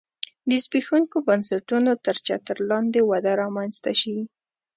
د زبېښونکو بنسټونو تر چتر لاندې وده رامنځته شي